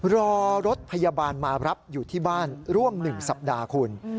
รอรถพยาบาลมารับอยู่ที่บ้านร่วม๑สัปดาห์คุณ